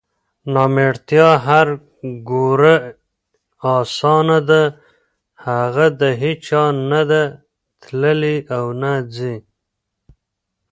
نامېړتیا هر ګوره اسانه ده هغه د هیچا نه نده تللې اونه ځي